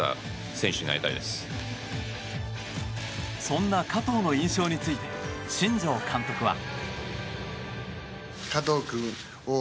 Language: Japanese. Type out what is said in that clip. そんな加藤の印象について新庄監督は。